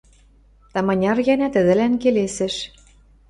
Таманяр гӓнӓ тӹдӹлӓн келесӹш: